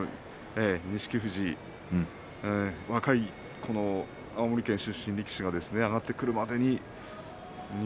錦富士、若い青森県出身力士が上がってくるまで錦